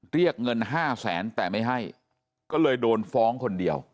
เรียกเงินห้าแสนแต่ไม่ให้ก็เลยโดนฟ้องคนเดียว